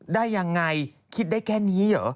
ได้ยังไงคิดได้แค่นี้เหรอ